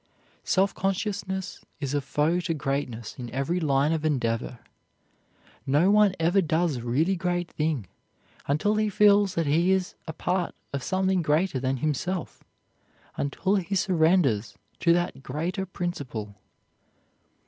Self consciousness is a foe to greatness in every line of endeavor. No one ever does a really great thing until he feels that he is a part of something greater than himself, until he surrenders to that greater principle.